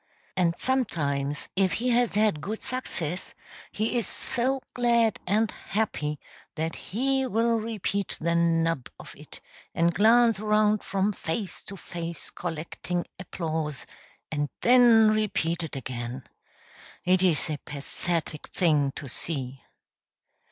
And sometimes, if he has had good success, he is so glad and happy that he will repeat the "nub" of it and glance around from face to face, collecting applause, and then repeat it again. It is a pathetic thing to see.